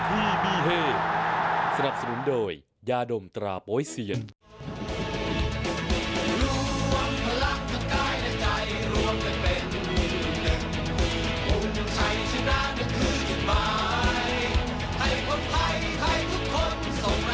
อิลักษณ์ไปดูไฮไลท์รวมทั้ง๔ประตูต่อ๒ครับ